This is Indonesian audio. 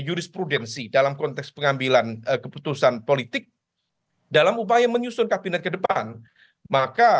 jurisprudensi dalam konteks pengambilan keputusan politik dalam upaya menyusun kabinet ke depan maka